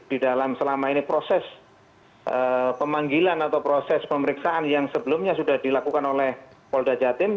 di dalam selama ini proses pemanggilan atau proses pemeriksaan yang sebelumnya sudah dilakukan oleh polda jatim